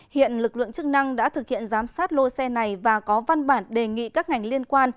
hiện lực lượng chức năng đã thực hiện giám sát lô xe này và có văn bản đề nghị các ngành liên quan